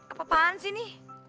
apaan sih ini